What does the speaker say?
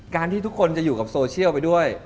ที่ทุกคนจะอยู่กับโซเชียลไปด้วย